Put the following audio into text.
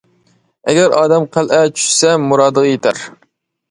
ئەگەر ئادەم قەلئە چۈشىسە مۇرادىغا يېتەر.